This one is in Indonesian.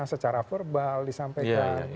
secara verbal disampaikan